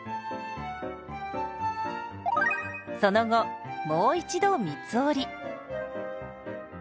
その後もう一度三つ折り。